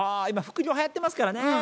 今副業はやってますからね。